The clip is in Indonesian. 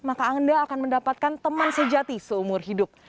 maka anda akan mendapatkan teman sejati seumur hidup